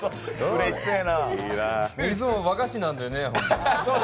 いつも和菓子なんでね。